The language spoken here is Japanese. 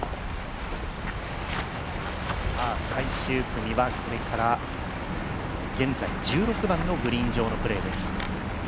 最終組はこれから現在１６番のグリーン上のプレーです。